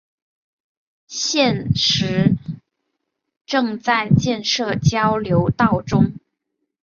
现时正在建设交流道中。